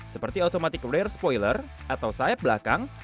seperti automatic rare spoiler atau sayap belakang